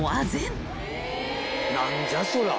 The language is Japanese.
何じゃそりゃ。